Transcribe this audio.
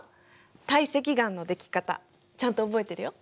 堆積岩のでき方ちゃんと覚えてるよ。